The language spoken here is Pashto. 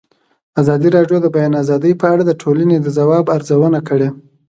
ازادي راډیو د د بیان آزادي په اړه د ټولنې د ځواب ارزونه کړې.